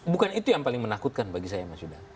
bukan itu yang paling menakutkan bagi saya mas yuda